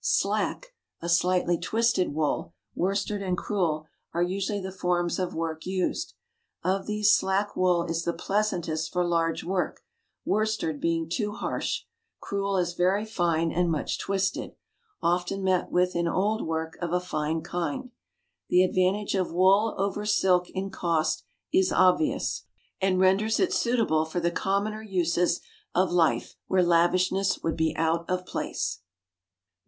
"Slack," a slightly twisted wool, worsted and crewel are usually the forms of work used; of these slack wool is the pleasantest for large work, worsted being too harsh; crewel is very fine and much twisted, often met with in old work of a fine kind. The advantage of wool over silk in cost is obvious, and renders it suitable for the commoner uses of life, where lavishness would be out of place.